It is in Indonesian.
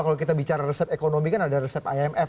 kalau kita bicara resep ekonomi kan ada resep imf